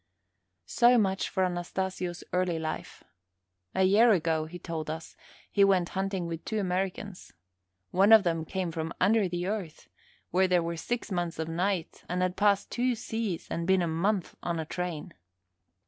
So much for Anastasio's early life. A year ago, he told us, he went hunting with two Americans. One of them came from under the earth, where there were six months of night, and had passed two seas and been a month on the train.